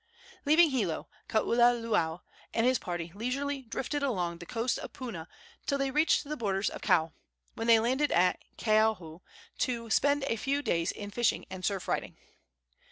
Leaving Hilo, Kaululaau and his party leisurely drifted along the coasts of Puna until they reached the borders of Kau, when they landed at Keauhou to spend a few days in fishing and surf riding.